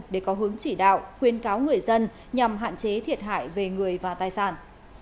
để có hướng chỉ đạo khuyên cáo người dân nhằm hạn chế thiệt hại về người và tài sản